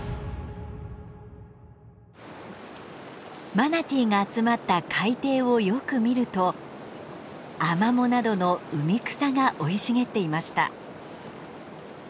マナティーが集まった海底をよく見るとアマモなどの海草が生い茂っていました。